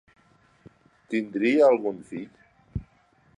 Tindria algun fill?